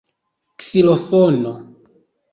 ksilofono